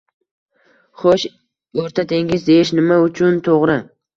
Xoʻsh, oʻrta dengiz deyish nima uchun toʻgʻri